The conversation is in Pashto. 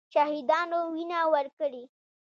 شهیدانو وینه ورکړې.